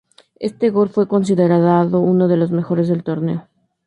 Este gol fue considerado uno de los mejores del torneo.